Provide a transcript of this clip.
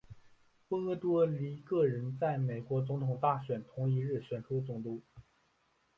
波多黎各人在美国总统大选同一日选出总督。